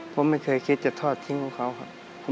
ผมไม่เคยคิดจะทอดทิ้งของเขาครับ